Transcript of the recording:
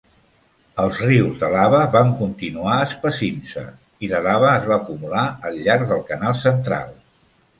Els rius de lava van continuar espessint-se, i la lava es va acumular al llarg del canal central.